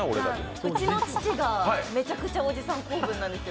うちの父がめちゃくちゃおじさん構文なんですよ。